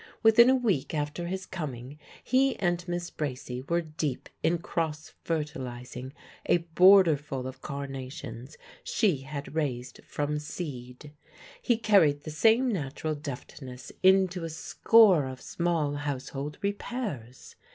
Within a week after his coming he and Miss Bracy were deep in cross fertilizing a borderful of carnations she had raised from seed. He carried the same natural deftness into a score of small household repairs.